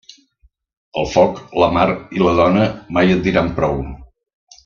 El foc, la mar i la dona mai et diran prou.